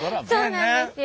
そうなんですよ。